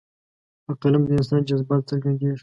په قلم د انسان جذبات څرګندېږي.